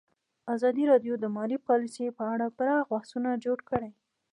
ازادي راډیو د مالي پالیسي په اړه پراخ بحثونه جوړ کړي.